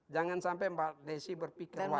jangan sampai pak desi berpikir